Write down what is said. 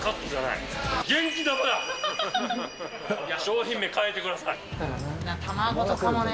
いや、商品名、変えてくださ卵とかもね。